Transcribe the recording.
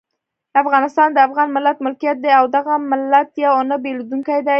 افغانستان د افغان ملت ملکیت دی او دغه ملت یو او نه بېلیدونکی دی.